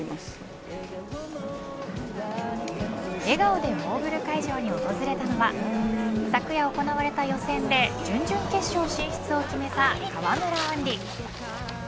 笑顔でモーグル会場に訪れたのは昨夜行われた予選で準々決勝進出を決めた川村あんり。